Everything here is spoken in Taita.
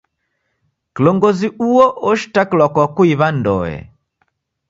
Kilongozi uo oshitakilwa kwa kuiw'a ndoe.